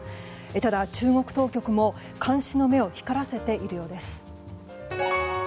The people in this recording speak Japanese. ただ中国当局も監視の目を光らせているようです。